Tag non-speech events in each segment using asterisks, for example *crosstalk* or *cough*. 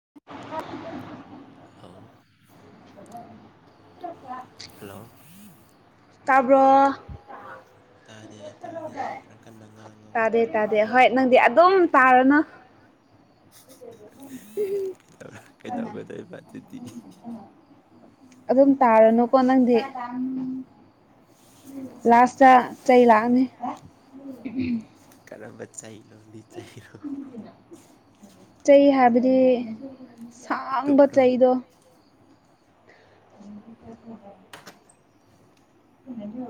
*inaudible* ꯑꯥꯎ ꯀꯌꯥ ꯍꯜꯂꯣ꯫ ꯇꯥꯕ꯭ꯔꯣ꯫ ꯇꯥꯗꯦ-ꯇꯥꯗꯦ ꯈꯔ ꯀꯟꯅ ꯉꯥꯡꯉꯣ꯫ ꯇꯥꯗꯦ ꯍꯣꯏ ꯅꯪꯗꯤ ꯑꯗꯨꯝ ꯇꯥꯔꯅꫭ꯫ ꯀꯩꯗꯧꯒꯗꯧꯔꯤꯕ ꯑꯗꯨꯗꯤ꯫ ꯑꯗꯨꯝ ꯇꯥꯔꯅꯨꯀꯣ ꯅꯪꯗꯤ꯫ ꯂꯥꯁꯇꯥ ꯆꯩ ꯂꯥꯛꯑꯅꯤ꯫ ꯀꯔꯝꯕ ꯆꯍꯤ ꯂꯣꯟꯗꯤ ꯇ ꯆꯩ ꯍꯥꯏꯕꯗꯤ ꯁꯥꯡꯕ ꯆꯩꯗꯣ ꯎꯝ *unintelligible* *inaudible* ꯗꯤꯁꯨ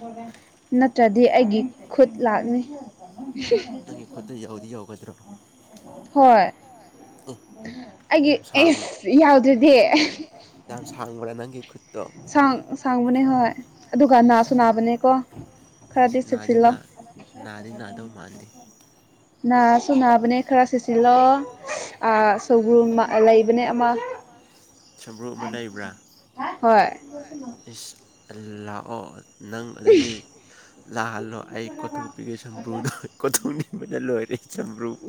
*unintelligible* *inaudible* ꯅꯠꯇ꯭ꯔꯗꯤ ꯑꯩꯒꯤ ꯈꯨꯠ ꯂꯥꯛꯅꯤ ꯍꯣꯏ ꯑꯩꯒꯤ ꯑꯦꯁ ꯌꯥꯎꯗ꯭ꯔꯗꯤ꯫ ꯌꯥꯝ ꯁꯥꯡꯕ꯭ꯔꯥ ꯅꯪꯒꯤ ꯈꯨꯠꯇꯣ꯫ ꯁꯥꯡ ꯁꯥꯡꯕꯅꯦ ꯍꯣꯏ ꯑꯗꯨꯒ ꯅꯥꯁꯨ ꯅꯥꯕꯅꯦꯀꯣ꯫ ꯏꯁ ꯅꯥꯗꯤ ꯅꯥ ꯅꯥꯗꯤ ꯅꯥꯗꯧ ꯃꯥꯟꯗꯦ꯫ *inaudible* ꯁꯝꯕ꯭ꯔꯨ ꯑꯃ ꯂꯩꯕ꯭ꯔꯥ꯫ ꯍꯣꯏ꯫ ꯍꫭꯏ ꯏꯁ ꯑꯜ ꯂꯥꯛꯑꯣ ꯅꯪ ꯑꯗꯨꯗꯤ ꯂꯥꯍꯜꯂꯣ ꯑꯩ ꯀꯣꯊꯣꯛꯄꯤꯒꯦ ꯁꯝꯕ꯭ꯔꯨꯗꫭ ꯀꯣꯊꫭꯛꯅꯤꯡꯕꯅ ꯂꯣꯏꯔꯦ꯫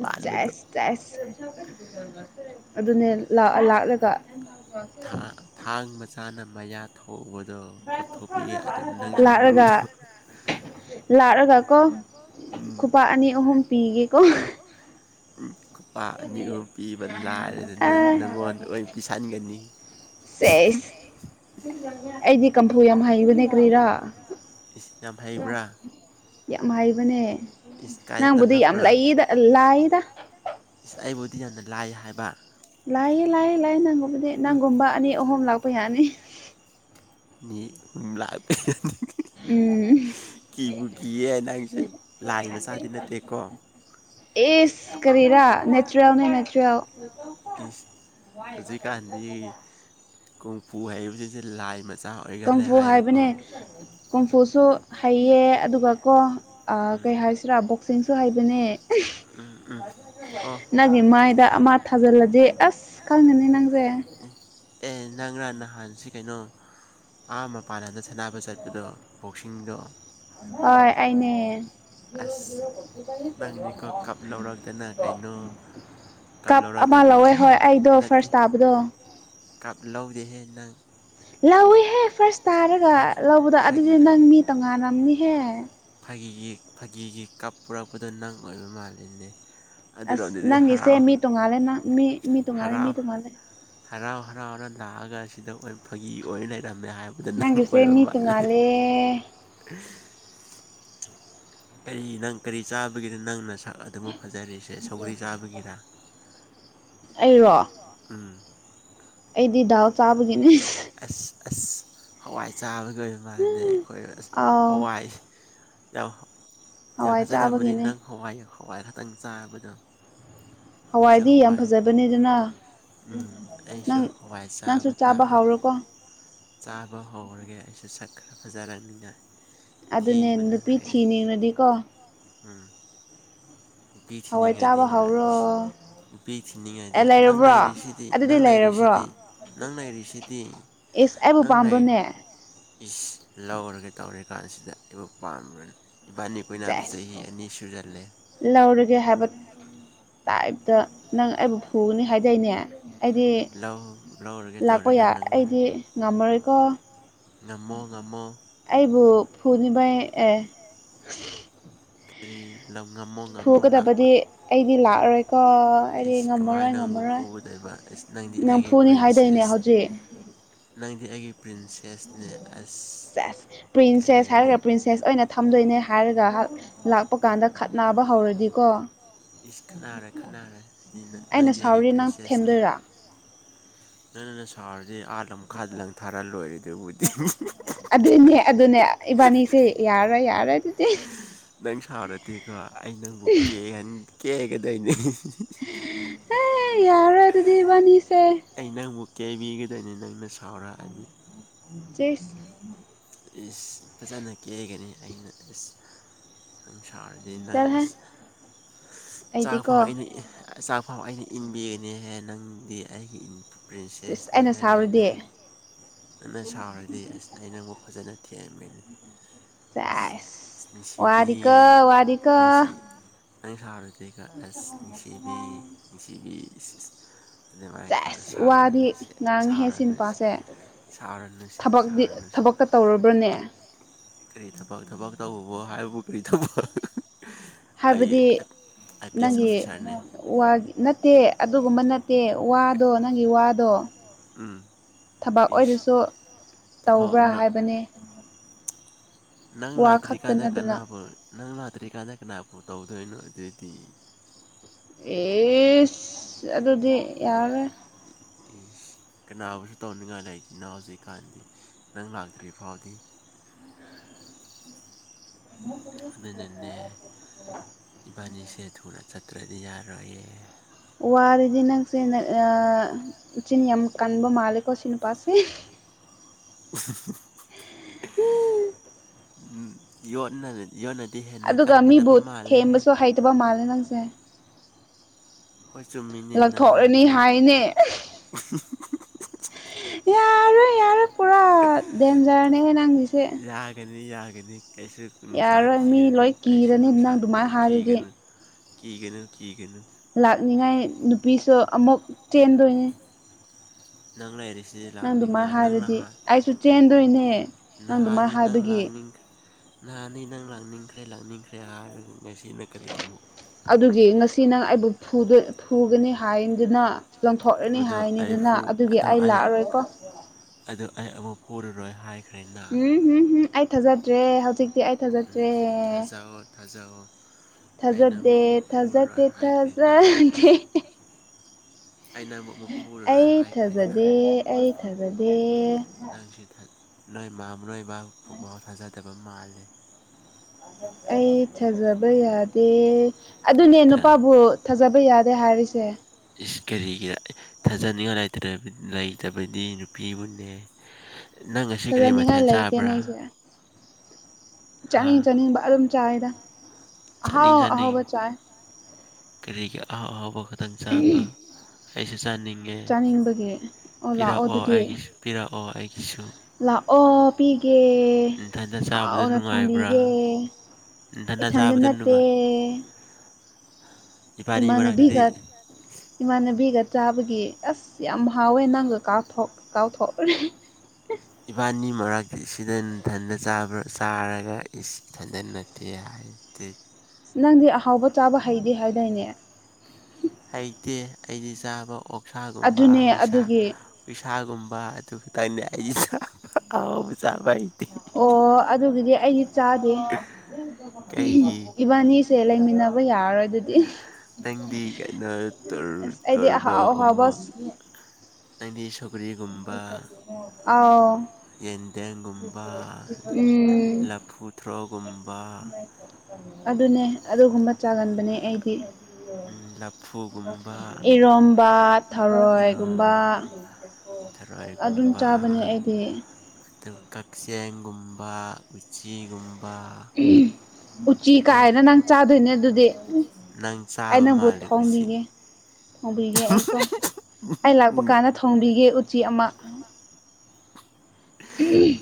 ꯎ ꯆꯦꯁ-ꯆꯦꯁ ꯑꯗꯨꯅꯦ ꯂꯥꯛ ꯂꯥꯛꯔꯒ ꯊ ꯊꯥꯡ ꯃꯆꯥꯥꯅ ꯃꯌꯥꯠ ꯊꯧꯕꯗꯣ ꯀꯣꯊꯣꯛꯄꯤꯒꯦ ꯅꯪ ꯁꯝꯕ꯭ꯔꯨꯗꯣ꯫ ꯂꯥꯛꯔꯒꯀꯣ ꯈꯨꯄꯥꯛ ꯑꯅꯤ ꯑꯍꯨꯝ ꯄꯤꯒꯦꯀꯣ꯫ ꯈꯨꯄꯥ ꯑꯅꯤ ꯑꯍꯨꯝ ꯄꯤꯕ ꯂꯥꯏꯔꯗꯅ ꯅꯪꯉꯣꯟꯗ ꯑꯣꯏꯅ ꯄꯤꯁꯟꯒꯅꯤ꯫ ꯁꯦꯁ ꯑꯩꯗꯤ ꯀꯝꯐꯨ ꯌꯥꯝ ꯍꯩꯕꯅꯦ ꯀ꯭ꯔꯤꯔꯥ꯫ ꯏꯁ ꯌꯥꯝ ꯍꯩꯕ꯭ꯔꯥ꯫ ꯌꯥꯝ ꯍꯥꯏꯕꯅꯦ ꯅꯪꯕꯨꯗꯤ ꯌꯥꯝ ꯂꯩꯗ ꯂꯥꯏꯗ꯫ ꯏꯁ ꯑꯩꯕꯨꯗꯤ ꯌꯥꯝꯅ ꯂꯥꯏ ꯍꯥꯏꯕ꯫ ꯂꯥꯏꯌꯦ ꯂꯥꯏꯌꯦ ꯂꯥꯏ ꯅꯪꯒꯨꯝꯕꯗꯤ ꯅꯪꯒꯨꯝꯕ ꯑꯅꯤ ꯑꯍꯨꯝ ꯂꯥꯛꯄ ꯌꯥꯅꯤ꯫ *unintelligible* ꯀꯤꯕꯨ ꯀꯤꯌꯦ ꯅꯪꯁꯦ ꯂꯥꯏ ꯃꯆꯥꯗꯤ ꯅꯠꯇꯦꯀꯣ꯫ ꯑꯦ ꯀꯔꯤꯔꯥ ꯅꯦꯆ꯭ꯔꯦꯜꯅꯦ ꯅꯦꯆ꯭ꯔꯦꯜ꯫ ꯏꯁ ꯍꯧꯖꯤꯛꯀꯥꯟꯗꯤ ꯀꯣꯡꯐꯨ ꯍꯩꯕꯁꯤꯡꯁꯦ ꯂꯥꯏ ꯃ ꯀꯝꯐꯨ ꯍꯥꯏꯕꯅꯦ꯫ ꯀꫭꯡꯐꯨꯁꯨ ꯍꯩꯌꯦ ꯑꯗꯨꯒ ꯀꯣ ꯑ ꯀꯩ ꯍꯥꯏꯁꯤꯔꯥ ꯕꯣꯛꯁꯤꯡꯁꯨ ꯍꯩꯕꯅꯦ꯫ ꯎꯝ ꯎꯝ꯫ ꯅꯪꯒꯤ ꯃꯥꯏꯗ ꯑꯃꯥ ꯊꯥꯖꯤꯜꯂꯗꯤ ꯑꯁ ꯈꯪꯒꯅꯤ ꯅꯪꯁꯦ꯫ ꯑꯦ ꯅꯪꯔꯥ ꯅꯍꯥꯟꯁꯤ ꯀꯩꯅꯣ ꯑꯥ ꯃꯄꯥꯟ ꯂꯝꯗ ꯁꯥꯅꯥꯕ ꯆꯠꯄꯗꯣ ꯕꯣꯛꯁꯤꯡꯗꯣ꯫ ꯍꯣꯏ ꯑꯩꯅꯦ꯫ *inaudible* ꯀꯞ ꯑꯃ ꯂꯧꯋꯦ ꯍꯣꯏ ꯑꯩꯗꯣ ꯐꯥꯔꯁ ꯇꯥꯕꯗꯣ꯫ ꯀꯞ ꯂꯧꯗꯦꯍꯦ ꯅꯪ꯫ ꯂꯧꯋꯦꯍꯦ ꯐꯥꯔꯁ ꯇꯥꯔꯒ ꯂꯧꯕꯗꯣ ꯑꯗꯨꯗꯤ ꯅꯪ ꯃꯤ ꯇꯣꯉꯥꯟꯔꯝꯅꯤꯍꯦ꯫ ꯐꯥꯒꯤꯒꯤ ꯐꯥꯒꯤꯒꯤ ꯀꯞ ꯄꯨꯔꯛꯄꯗꯣ ꯅꯪ ꯑꯣꯏꯕ ꯃꯥꯜꯂꯤꯅꯦ ꯑꯁ ꯅꯪꯒꯤꯁꯦ ꯃꯤ ꯇꯣꯉꯥꯜꯂꯦ ꯅꯪ ꯃꯤ ꯃꯤ ꯇꯣꯉꯥꯜꯂꯦ ꯃꯤ ꯇꯣꯡꯉꯥꯜꯂꯦ ꯍꯔꯥꯎ ꯍꯔꯥꯎꯅ ꯂꯥꯛꯑꯒ ꯁꯤꯗ ꯐꯥꯒꯤ ꯑꯣꯏꯅ ꯂꯩꯔꯝꯃꯦ ꯍꯥꯏꯕꯗ ꯅꯪ ꯑꯣꯏꯕ ꯃꯥꯜꯂꯦ ꯑ *unintelligible* *inaudible* ꯀꯔꯤ ꯅꯪ ꯀꯔꯤ ꯆꯥꯕꯒꯤꯅꯣ ꯅꯪꯅ ꯁ ꯑꯗꯨꯃꯛ ꯐꯖꯔꯤꯁꯦ ꯁꯧꯒ꯭ꯔꯤ ꯆꯥꯕꯒꯤꯔ ꯑꯩꯔꯣ ꯎꯝ ꯑꯩꯥꯕ *inaudible* ꯑꯁ ꯑꯁ ꯍꯋꯥꯏ ꯆꯥꯕꯒꯤ ꯑꯣꯏꯕ ꯃꯥꯜꯂꯦꯅꯦ ꯑꯩꯈꯣꯏ ꯑꯁ ꯍꯋꯥꯏ ꯌꯥꯝ ꯌꯥꯝ ꯐꯖꯔꯛꯃꯥꯅꯤ ꯅꯪ ꯍꯋꯥꯏ ꯍꯋꯥꯏ ꯈꯛꯇꯪ ꯆꯥꯕꯗꯣ ꯍꯋꯥꯏꯗꯤ ꯌꯥꯝ ꯐꯖꯕꯅꯤꯗꯅ꯫ ꯅꯪ ꯅꯪꯁꯨ ꯆꯥꯕ ꯍꯥꯎꯔꯣꯀꯣ꯫ ꯆꯥꯕ ꯍꯧꯔꯒꯦ ꯑꯩꯁꯨ ꯁꯛ ꯈꯔ ꯐꯖꯔꯛꯅꯤꯅ꯫ ꯑꯗꯨꯅꯦ ꯅꯨꯄꯤ ꯊꯤꯅꯤꯡꯔꯗꯤꯀꯣ ꯎꯝ ꯅꯨꯄꯤ ꯊꯤꯅꯤꯡꯑꯗꯤ ꯍꯥꯏ ꯅꯨꯄꯤ ꯊꯤꯅꯤꯡꯑꯗꯤ ꯅꯪ ꯂꯩꯔꯤꯁꯤꯗꯤ ꯅꯪ ꯂꯩꯔꯤꯁꯤꯗꯤ ꯅꯪ ꯂꯩꯔꯤꯁꯤꯗꯤ꯫ ꯏꯁ ꯑꯩꯕꯨ ꯄꯥꯝꯕ꯭ꯔꯣꯅꯦ꯫ ꯏꯁ ꯂꯧꯔꯒꯦ ꯇꯧꯔꯤ ꯀꯥꯟꯁꯤꯗ ꯑꯩꯕꯨ ꯄꯥꯝꯕ꯭ꯔꯅꯦ ꯏꯕꯥꯅꯤ ꯑꫭꯏꯅꯥ ꯆꯍꯤ ꯑꯅꯤ ꯁꯨꯖꯜꯂꯦ꯫ ꯂꯧꯔꯒꯦ ꯍꯥꯏꯕ ꯇꯥꯏꯞꯇ ꯅꯪ ꯑꯩꯕꯨ ꯐꯨꯒꯅꯤ ꯍꯥꯏꯗꯥꯏꯅꯦ ꯑꯩꯗꯤ ꯂꯥꯛꯄ ꯌꯥ ꯑꯩꯗꯤ ꯉꯝꯃꯔꯣꯏꯀꯣ ꯉꯝꯃꯣ ꯉꯝꯃꯣ ꯑꯩꯕꯨ ꯐꯨꯅꯤꯕ ꯑꯦ ꯀꯔꯤ ꯂꯝ ꯉꯝꯃꯣ ꯉꯝꯃꯣ ꯂꯥꯛꯄ ꯑꯩꯗꯤ ꯂꯥꯛꯑꯔꯣꯏꯀꯣ ꯑꯩꯗꯤ ꯉꯝꯃꯔꯣꯏ ꯉꯝꯃꯔꯣꯏ ꯂꯩꯕ ꯅꯪꯗꯤ ꯑꯩꯒꯤ ꯄ꯭ꯔꯤꯟꯁꯦꯁ ꯅꯪꯗꯤ ꯑꯩꯒꯤ ꯄ꯭ꯔꯤꯟꯁꯦꯁꯅꯦ ꯑꯁ ꯄꯤꯟꯁꯦꯁ ꯍꯥꯏꯔ ꯄꯤꯟꯁ ꯁꯦꯁ ꯑꯣꯏꯅ ꯊꯝꯗꯣꯏꯅꯦ ꯍꯥꯏꯔꯒ ꯂꯥꯛꯄ ꯀꯥꯟꯗ ꯈꯠꯅꯥꯕ ꯍꯧꯔꯗꯤꯀꯣ ꯏꯁ ꯈꯠꯅꯔꯣꯏ ꯈꯠꯅꯔꯣꯏ ꯅꯪꯗꯤ ꯑꯩꯒꯤ ꯄ꯭ꯔꯤꯟꯁꯦꯁꯅꯦ ꯅꯪꯅ ꯁꯥꯎꯔꯗꯤ ꯑꯥꯠ ꯃꯈꯥꯗ ꯂꯪ ꯊꯥꯔꯛꯑ ꯂꯣꯏꯔꯦ ꯑꯣ ꯑꯗꯨꯏꯅꯦ ꯑꯗꯨꯅꯦ ꯏꯕꯥꯅꯤꯁꯦ ꯌꯥꯔꯣꯏ ꯌꯥꯔꯣꯏ ꯑꯗꯨ ꯅꯪ ꯁꯥꯎꯔꯗꯤꯀꯣ ꯑꯩ ꯅꯪꯕꯨ ꯀꯦ ꯀꯦꯛꯒꯗꯣꯏꯅꯤ ꯑꯦ ꯌꯥꯔ꯭ꯔꯣꯏ ꯑꯗꯨꯗꯤ ꯏꯕꯅꯤꯁꯦ ꯑꯩ ꯅꯪꯕꯨ ꯀꯦꯕꯤꯒꯗꯣꯏꯅꯦ ꯅꯪꯅ ꯁꯥꯎꯔꯛꯑꯗꯤ ꯁꯤꯁ ꯏꯁꯁ ꯐꯖꯅ ꯀꯦꯒꯅꯤ ꯑꯩꯅ ꯏꯁꯁ ꯅꯪ ꯁꯥꯎꯔꯗꯤ ꯅꯪ ꯑꯁ ꯆꯥꯛ ꯐꯥꯎ ꯑꯩꯅꯥ ꯏꯟ ꯆꯥꯥꯛꯐꯥꯎ ꯑꯩꯅ ꯏꯟꯕꯤꯒꯅꯤꯍꯦ ꯅꯪꯗꯤ ꯑꯩꯒꯤ ꯄ꯭ꯔꯤꯟꯁꯦꯁꯅꯦ ꯀꯥꯔꯤꯅꯣ ꯅꯪꯅ ꯁꯥꯎꯔꯗꯤ ꯑꯁ ꯑꯩ ꯅꯪꯕꯨ ꯐꯖꯅ ꯊꯦꯡꯒꯅꯤ ꯁꯦꯁ ꯋꯥꯗꯤ ꯀꯣ ꯋꯥꯗꯤ ꯀꯣ ꯅꯪ ꯁꯥꯎꯔꯗꯤꯒ ꯑꯁ ꯅꯨꯡꯁꯤꯕꯤ ꯅꯨꯡꯁꯤꯕꯤ ꯑꯗꯨꯃꯥꯏꯅ ꯀꯧꯔ ꯁꯥꯎꯔꯅꯨꯁꯦ ꯁꯥꯎꯔꯅꯨꯁꯦ ꯇꯦꯡ ꯁꯥꯥꯎꯔꯅꯨꯁꯦ ꯁꯥꯥꯎꯔꯅꯨꯁꯦ ꯇꯧꯔꯕ꯭ꯔꯅꯦ ꯀꯔꯤ ꯊꯕꯛ ꯊꯕꯛ ꯇꯧꯕꯕꯣ ꯍꯥꯏꯕꯕꯨ ꯀꯔꯤ ꯊꯕꯛ ꯍꯥꯏꯕꯗꯤ ꯅꯪꯒꯤ ꯋꯥ ꯅꯠꯇꯦ ꯑꯗꯨꯒꯨꯝꯕ ꯅꯠꯇꯦ ꯋꯥꯗꯣ ꯅꯪꯒꯤ ꯋꯥꯗꯣ ꯊꯕꯛ ꯑꯣꯏꯔꯁꯨ ꯇꯧꯕ꯭ꯔꯥ ꯍꯥꯏꯕꯅꯦ ꯅꯪ ꯂꯥꯛꯇ꯭ꯔꯤꯀꯥꯟꯗ ꯀꯅꯥꯕꯨ ꯅꯪ ꯂꯥꯛꯇ꯭ꯔꯤꯀꯥꯟꯗ ꯀꯅꯥꯕꯨ ꯇꯧꯗꯣꯏꯅꯣ ꯑꯗꯨꯗꯤ ꯑꯦꯁ ꯑꯗꯨꯗꯤ ꯌꯥꯔꯔꯣꯏ ꯀꯅꯥꯕꯨꯁꯨ ꯇꯧꯅꯤꯡꯉꯥꯏ ꯂꯩꯇꯦ ꯅꯥ ꯍꯧꯖꯤꯛꯀꯥꯟꯗꯤ ꯅꯪ ꯂꯥꯛꯇ꯭ꯔꯤ ꯐꯥꯎꯗꯤ ꯑꯗꯨꯅꯅꯦ ꯏꯕꯥꯅꯤꯁꯦ ꯊꯨꯅ ꯆꯠꯇ꯭ꯔꯗꯤ ꯌꯥꯔꯣꯏꯌꯦ ꯋꯥꯔꯗꯤ ꯅꯪꯁꯦ ꯁꯤ ꯆꯤꯟ ꯌꯥꯝ ꯀꯟꯕ ꯃꯥꯜꯂꯦꯀꯣ ꯁꯤ ꯅꯨꯄꯥꯁꯦ *unintelligible* ꯎꯝ ꯌ ꯌꯣꯟꯅꯗꯤ ꯍꯦꯟꯅ ꯀꯥꯟꯒꯗꯕ ꯃꯥꯜꯂꯦ ꯀꯕ ꯃꯥꯜ ꯂꯥꯛꯁꯦ ꯂꯧꯊꯣꯛꯂꯅꯤ ꯍꯥꯏꯅꯦ ꯌꯥꯔꯦ ꯌꯥꯔꯦ ꯄꯨꯔꯥ ꯗꯦꯟꯖꯔꯅꯦ ꯍꯦ ꯅꯪꯒꯤꯁꯦ ꯌꯥꯒꯅꯤ ꯀꯩꯁꯨ ꯅꯨꯡꯁꯥ ꯊꯤꯔꯅꯨ ꯀꯩꯁꯨ ꯅꯨꯡꯁꯥ ꯊꯤꯒꯅꯨ ꯀꯤꯒꯅꯨ ꯀꯤꯒꯅꯨ ꯀꯤꯒꯅꯨ ꯂꯥꯛꯅꯤꯡꯉꯥꯏ ꯅꯨꯄꯤꯁꯨ ꯑꯃꯨꯛ ꯆꯦꯟꯗꯣꯏꯅꯤ ꯅꯪ ꯂꯥꯏꯔꯤꯁꯤ ꯂꯥꯡꯅꯤꯡꯉꯥ ꯅꯪ ꯅꯍꯜ ꯅꯍꯥꯅꯤ ꯅꯪ ꯂꯥꯛꯅꯤꯡ ꯅꯍꯥꯟꯅꯤ ꯅꯪ ꯂꯥꯛꯅꯤꯡꯈ꯭ꯔꯦ ꯂꯥꯡꯅꯤꯡꯈ꯭ꯔꯦ ꯍꯥꯏꯔꯒ ꯉꯁꯤꯅ ꯀꯔꯤ ꯑꯃꯨꯛ ꯑꯗꯨꯒꯤ ꯉꯁꯤ ꯅꯪ ꯑꯩꯕꯨ ꯐꯨꯒꯅꯤ ꯍꯥꯏꯗꯨꯅ ꯂꯪꯊꯣꯛꯂꯅꯤ ꯍꯥꯏꯅꯤꯗꯨꯅ ꯑꯗꯨꯒꯤ ꯑꯩ ꯂꯥꯛꯑꯔꯣꯏꯀꯣ ꯑꯗꯨ ꯑꯩ ꯑꯃꯨꯛ ꯐꯨꯔꯔꯣꯏ ꯍꯥꯏ ꯎꯝ ꯍꯝ ꯍꯝ ꯑꯩ ꯊꯥꯖꯗ꯭ꯔꯦ ꯍꯧꯖꯤꯛꯇꯤ ꯑꯩ ꯊꯥꯖꯗ꯭ꯔꯦ ꯊꯥꯖꯣ ꯊꯥꯖꯗꯦ ꯊꯥꯖꯗꯦ ꯊꯥꯖꯗꯦ ꯑꯩ ꯊꯖꯗꯦ ꯑꯩ ꯊꯥꯖꯗꯦ ꯅꯪꯁꯤ ꯅꯣꯏ ꯅꯣꯏꯕ ꯄꯨꯐꯥꯎ ꯊꯥꯖꯗꯕ ꯃꯥꯜꯂꯦ ꯑꯩ ꯊꯖꯕ ꯌꯥꯗꯦ ꯑꯗꯨꯅꯦ ꯅꯨꯄꯥꯕꯨ ꯊꯥꯖꯕ ꯌꯥꯗꯦ ꯍꯥꯏꯔꯤꯁꯦ ꯀꯔꯤꯒꯤ ꯊꯥꯖꯅꯤꯡꯉꯥꯏ ꯂꯩꯇ ꯂꯩꯇꯕꯗꯤ ꯅꯨꯄꯤꯕꯨꯅꯦ ꯅꯪ ꯉ ꯑꯁꯤ ꯀꯔꯤ ꯃꯊꯦꯜ ꯆꯥꯕ꯭ꯔꯥ ꯆꯥꯅꯤꯡ ꯆꯥꯅꯤꯡꯕ ꯑꯗꯨꯝ ꯆꯥꯏꯌꯦꯗ ꯆꯥꯅꯤꯡ ꯆꯥꯅꯤꯡ ꯀꯔꯤꯒꯤ ꯑꯍꯥꯎ ꯑꯍꯥꯎꯕ ꯈꯇꯪ ꯆꯥꯕ ꯑꯩꯁꯨ ꯆꯥꯅꯤꯡꯉꯦ ꯄꯤꯔꯛꯑꯣ ꯑꯩꯒꯤꯁꯨ ꯄꯤꯔꯛꯑꯣ ꯑꯩꯒꯤꯁꯨ ꯂꯥꯛꯑꯣ ꯄꯤꯒꯦ ꯍꯥꯎꯅ ꯊꯣꯡꯕꯤꯒꯦ ꯏꯊꯟꯗ ꯅꯠꯇꯦ *inaudible* ꯏꯃꯅꯕꯤꯒ ꯏꯃꯥꯟꯅꯕꯤꯒ ꯆꯥꯕꯒꯤ ꯑꯁ ꯌꯥꯝ ꯍꯥꯎꯋꯦ ꯅꯪꯒ ꯀꯥꯎꯊꯣꯛ ꯀꯥꯎꯊꯣꯛꯂꯦ ꯏꯕꯥꯅꯤ ꯃꯔꯛꯇꯤ ꯁꯤꯗꯟꯊꯟꯅꯕ ꯆꯥꯔꯒ ꯏꯁ ꯏꯊꯟꯗꯅ ꯇꯦꯌꯥꯥꯏ ꯇꯦ ꯅꯪꯗꯤ ꯑꯍꯥꯎꯕ ꯆꯥꯕ ꯍꯩꯇꯦ ꯍꯥꯏꯗꯥꯏꯅꯦ ꯍꯩꯇꯦ ꯑꯩꯗꯤ ꯆꯥꯕ ꯑꯣꯛꯁꯥꯒꯨꯝꯕ ꯍꯨꯁꯥ ꯄꯩꯁꯥꯒꯨꯝꯕ ꯑꯗꯨ ꯈꯤꯇꯪꯅꯤ ꯑꯩꯁ ꯆꯥꯕ ꯑꯍꯥꯎꯕ ꯆꯥꯕ ꯍꯩꯇꯦ ꯑꯣ ꯑꯗꯨꯒꯤꯗꯤ ꯑꯩꯗꯤ ꯆꯥꯗꯦ ꯏꯕꯥꯅꯤꯁꯦ ꯂꯩꯃꯤꯟꯅꯕ ꯌꯥꯔꯣꯏ ꯑꯗꯨꯗꯤ ꯇꯪꯗꯤ ꯀꯥꯏꯅ ꯇꯔꯕꯒꯨꯝꯕ ꯑꯗꯤ ꯁꯒ꯭ꯔꯤꯒꯨꯝꯕ ꯑꯥꯎ ꯌꯦꯟꯗꯦꯝꯒꯨꯝꯕ ꯂꯐꯨꯊ꯭ꯔꯣꯒꯨꯝꯕ ꯑꯗꯨꯅꯦ ꯑꯗꯨꯒꯨꯝꯕ ꯆꯥꯒꯟꯕꯅꯦ ꯑꯩꯗꯤ ꯎꯝ ꯂꯐꯨꯒꯨꯝꯕ ꯏꯔꯣꯝꯕꯥꯠ ꯊꯔꯣꯏꯒꯨꯝꯕ ꯑꯗꯨꯝ ꯆꯥꯕꯅꯦ ꯑꯩꯗꯤ ꯑꯗꯨꯒ ꯀꯛꯆꯦꯡꯒꯨꯝꯕ ꯎꯆꯤꯒꯨꯝꯕ ꯎꯝ ꯎꯆꯤ ꯀꯥꯏꯅ ꯅꯪ ꯆꯥꯗꯣꯏꯅꯦ ꯑꯗꯨꯗꯤ ꯑꯩ ꯅꯪꯕꯨ ꯊꯣꯡꯕꯤꯒꯦ ꯊꯣꯡꯕꯤꯒꯦ ꯑꯩꯀꯣ ꯑꯩ ꯂꯥꯛꯄ ꯀꯥꯟꯗ ꯊꯣꯡꯕꯤꯒꯦ ꯎꯆꯤ ꯑꯃ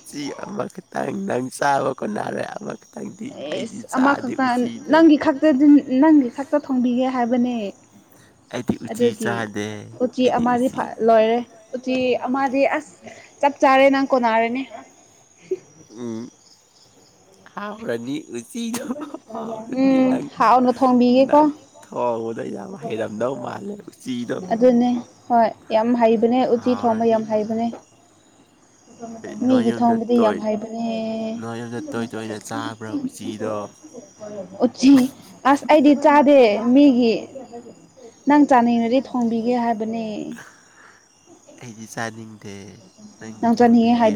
ꯎꯆꯤ ꯑꯃ ꯈꯛꯇꯪ ꯅꯪ ꯆꯥꯕ ꯀꯣꯟꯅꯔꯣꯏ ꯑꯃ ꯑꯦꯁ ꯑꯃꯈꯛꯇ ꯅꯪꯒꯤ ꯈꯛꯇꯗꯤ ꯅꯪꯒꯤ ꯈꯛꯇꯪ ꯊꯣꯡꯕꯤꯒꯦ ꯍꯥꯏꯕꯅꯦ ꯑꯗꯨꯒꯤ ꯎꯆꯤ ꯑꯃꯗꯤ ꯐꯠ ꯂꯣꯏꯔꯦ ꯎꯇꯤ ꯑꯃꯗꯤ ꯑꯁ ꯆꯞ ꯆꯥꯔꯦꯅꯪ *unintelligible* ꯍꯥꯎꯔꯥꯅꯤ ꯎꯆꯩꯗꯣ ꯍꯥꯎꯔꯥꯅꯤ ꯅꯪ ꯅꯪ ꯊꯥꯎꯕꯗ ꯌꯥꯝ ꯍꯩꯔꯝꯗꯧ ꯃꯥꯜꯂꯦ ꯎꯆꯤꯗꯣ ꯍꯥꯎꯔꯅꯤ ꯃꯤꯒꯤ ꯊꯣꯡꯕꯗꯤ ꯌꯥꯝ ꯍꯥꯏꯕꯅꯦ ꯎꯆꯤ ꯑꯁ ꯑꯩꯗꯤ ꯆꯥꯗꯦ ꯃꯤꯒꯤ ꯅꯪ ꯆꯥꯅꯤꯡꯔꯗꯤ ꯊꯣꯡꯕꯤꯒꯦ ꯍꯥꯏꯕꯅꯦ ꯑꯩꯗꯤ ꯆꯥꯅꯤꯡꯗꯦ ꯅꯪꯗꯤ ꯊꯣꯡꯕꯤꯒꯦ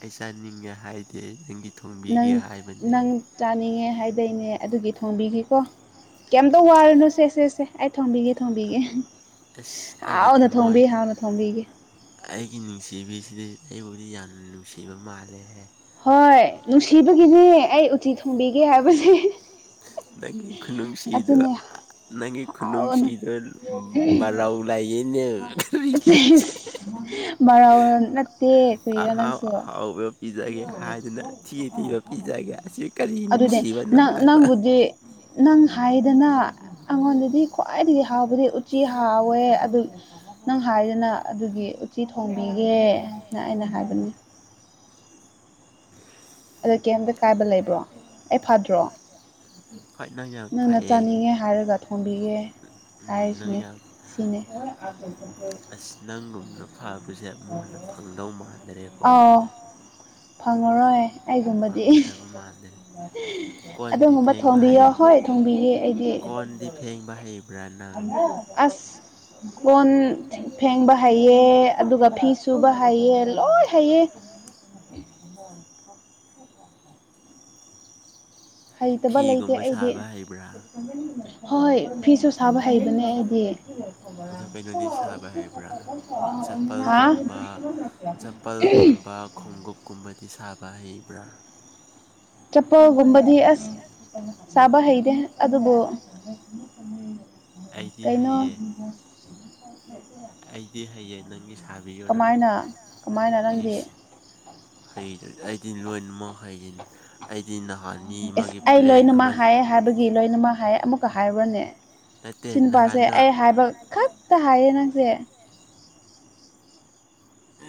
ꯑꯩ ꯆꯥꯅꯤꯡꯉꯦ ꯍꯥꯏꯗꯦ ꯅꯪꯒꯤ ꯊꯣꯡꯕꯤꯒꯦ ꯍꯥꯏꯕꯅꯦ ꯆꯥꯅꯤꯡꯉꯦ ꯍꯥꯏꯗꯩꯅꯦ ꯑꯗꯨꯒꯤ ꯊꯣꯡꯕꯤꯒꯦꯀꯣ ꯀꯩꯝꯇ ꯋꯥꯔꯨꯅꯨ ꯁꯦ ꯁꯦ ꯁꯦ ꯑꯩ ꯊꯣꯡꯕꯤꯒꯦ ꯊꯣꯡꯕꯤꯒꯦ ꯍꯥꯎꯅ ꯊꯣꯡꯕꯤ ꯍꯥꯎꯅ ꯊꯣꯡꯕꯤꯒꯦ ꯑꯩꯒꯤ ꯅꯨꯡꯁꯤꯕꯤꯁꯤꯗꯤ ꯑꯩꯕꯨꯗꯤ ꯌꯥꯝꯅ ꯅꯨꯡꯁꯤꯕ ꯃꯥꯜꯂꯦꯍꯦ ꯍꯣꯏ ꯅꯨꯡꯁꯤꯕꯒꯤꯅꯦ ꯑꯩ ꯎꯇꯤ ꯊꯣꯡꯕꯤꯒꯦ ꯍꯥꯏꯕꯁꯦ ꯅꯪꯒꯤ ꯈꯨꯅꯨꯡꯁꯤꯗꯣ ꯑꯥ ꯅꯪꯒꯤ ꯈꯨꯅꯨꯡꯁꯤꯗꯣ ꯍꯔꯧ ꯂꯥꯏꯌꯦꯅ ꯑꯍꯥꯎ ꯑꯍꯥꯎꯕ ꯄꯤꯖꯒꯦ ꯍꯥꯏꯗꯅ ꯑꯊꯤ ꯑꯊꯤꯕ ꯄꯤꯖꯒꯦ ꯑꯁꯤ ꯀꯔꯤ ꯅꯨꯡꯁꯤꯕꯅꯣ ꯍꯥꯏꯕ ꯅꯪ ꯍꯥꯏꯗꯅ ꯑꯩꯉꯣꯟꯗꯗꯤ ꯈ꯭ꯋꯥꯏꯗꯒꯤ ꯍꯥꯎꯕꯗꯤ ꯎꯆꯤ ꯍꯥꯎꯋꯦ ꯑꯗꯨ ꯅꯪ ꯍꯥꯏꯗꯅ ꯑꯗꯨꯒꯤ ꯎꯇꯤ ꯊꯣꯡꯕꯤꯒꯦꯅ ꯑꯩꯅ ꯍꯥꯏꯕꯅꯤ ꯑꯗꯣ ꯀꯩꯝꯗ ꯀꯥꯏꯕ ꯂꯩꯕ꯭ꯔꯣ ꯑꯩ ꯐꯗ꯭ꯔꯣ ꯅꯪꯅ ꯆꯥꯅꯤꯡꯉꯦ ꯍꯥꯏꯔꯒ ꯊꯣꯡꯕꯤꯒꯦ ꯍꯥꯏꯔꯤꯁꯤꯅꯦ ꯁꯤꯅꯦ ꯑꯥꯎ ꯐꯪꯉꯔꯣꯏ ꯐꯪꯒꯗꯕ ꯃꯥꯟꯗꯦ ꯑꯗꯨꯒꯨꯝꯕ ꯊꯣꯡꯕꯤꯌꯣ ꯍꯣꯏ ꯊꯣꯡꯕꯤꯒꯦ ꯑꯩꯗꯤ ꯑꯁ ꯀꯣꯟ ꯐꯦꯡꯕ ꯍꯩꯌꯦ ꯑꯗꯨꯒ ꯐꯤ ꯁꯨꯕ ꯍꯩꯌꯦ ꯂꯣꯏ ꯍꯩꯌꯦ *inaudible* *inaudible* ꯍꯩꯇꯕ ꯂꯩꯇꯦ ꯑꯩꯗꯤ ꯍꯣꯏ ꯍꯣꯏ ꯐꯤꯁꯨ ꯁꯥꯕ ꯍꯩꯕꯅꯦ ꯑꯩꯗꯤ ꯑꯗꯣ ꯀꯩꯅꯣꯗꯤ ꯁꯥꯕ ꯍꯥꯏꯕ꯭ꯔꯥ ꯆꯄꯜꯒꯨꯝꯕ ꯆꯄꯜꯒꯨꯝꯕ ꯈꯣꯡꯎꯞ ꯀꯨꯝꯕꯗꯤ ꯁꯥꯕ ꯍꯩꯕ꯭ꯔꯥ ꯆꯄꯜꯒꯨꯝꯕꯗꯤ ꯑꯁ ꯁꯥꯕ ꯍꯩꯗꯦ ꯑꯗꯨꯕꯨ ꯑꯩꯗꯤ ꯍꯩꯌꯦ ꯑꯩꯗꯤ ꯍꯩꯌꯦ ꯅꯪꯒꯤ ꯁꯥꯕꯤꯌꯨꯔꯥ ꯏꯁ ꯍꯩ ꯑꯩꯗꯤ ꯂꯣꯏꯅꯃꯛ ꯍꯩꯌꯦ ꯑꯩꯗꯤ ꯅꯍꯥꯟ ꯃꯤ ꯑꯃꯒꯤ ꯄ꯭ꯂꯦꯠ ꯑꯃ ꯒꯤ ꯂꯣꯏꯅꯃꯛ ꯍꯥꯏꯑ ꯑꯃꯨꯛꯀ ꯍꯥꯏꯔꯣꯅꯦ ꯁꯤ ꯅꯨꯄꯥꯁꯦ ꯑꯩ ꯍꯥꯏꯕ ꯈꯛ ꯇ ꯍꯥꯏꯌꯦ ꯅꯪꯁꯦ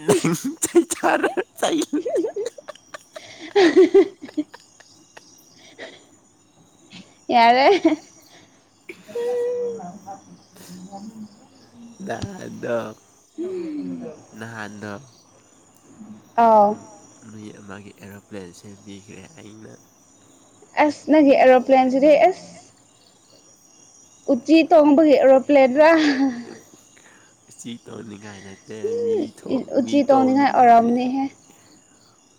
ꯅꯪ ꯆꯩ ꯆꯥꯔ ꯆꯩ *unintelligible* ꯌꯥꯔꯦ ꯑꯎ ꯅꯍꯥꯟꯗꯣ ꯅꯍꯥꯟꯗꯣ ꯃꯤ ꯑꯃꯒꯤ ꯑꯦꯔꯣꯄ꯭ꯂꯦꯟ ꯁꯦꯝꯕꯤꯈ꯭ꯔꯦ ꯑꯩꯅ ꯑꯁ ꯅꯪꯒꯤ ꯑꯦꯔꯣꯄ꯭ꯂꯦꯟꯁꯤꯗꯤ ꯑꯁ ꯎꯆꯤ ꯇꯣꯡꯕꯒꯤ ꯑꯦꯔꯣꯄ꯭ꯂꯦꯟꯔ ꯎꯆꯤ ꯊꯣꯡꯅꯤꯡꯉꯥꯏ ꯅꯠꯇꯦ ꯃꯤ ꯊꯣꯛ ꯃꯤ ꯊꯣꯡꯅꯤꯡꯉꯥꯏꯅꯦ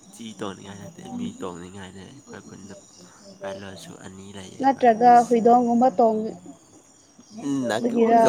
ꯎꯆꯤ ꯇꯣꯡꯅꯤꯡꯉꯥꯏ ꯅꯠꯇꯦ ꯃꯤ ꯇꯣꯡꯅꯤꯡꯉꯥꯏꯗ ꯑꯩꯈꯣꯏ ꯈꯨꯟꯗ ꯄꯥꯏꯂꯣꯠꯁꯨ ꯑꯅꯤ ꯂꯩꯌꯦꯕ ꯑꯁ ꯃꯝꯕ ꯇꯣꯡꯉ ꯑꯣꯏꯒꯔꯥ